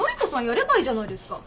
やればいいじゃないですか。